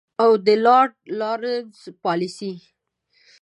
او د لارډ لارنس پالیسي.